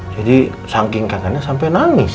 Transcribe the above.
jadi sangking kangennya sampai nangis